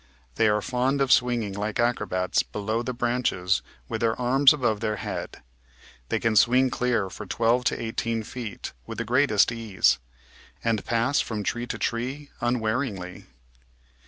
They are fond of swinging like acrobats below the branches with their arms above their head. They can swing clear for 12 18 feet with the greatest ease, and pass from tree to tree unwearyingly.